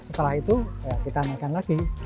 setelah itu kita naikkan lagi